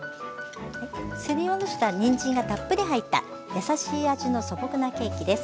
すりおろしたにんじんがたっぷり入ったやさしい味の素朴なケーキです。